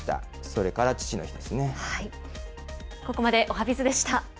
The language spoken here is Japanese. それから父の日ですね。